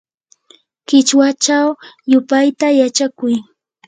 qichwachaw yupayta yachakuy.